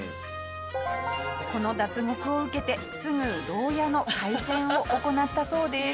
この脱獄を受けてすぐ牢屋の改善を行ったそうです。